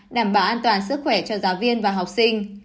đảm bảo an toàn sức khỏe cho giáo viên và học sinh